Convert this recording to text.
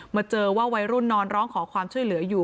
เจอว่าวัยรุ่นนอนร้องขอความช่วยเหลืออยู่